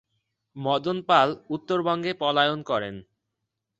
মদন পাল উত্তর বঙ্গে পলায়ন করেন।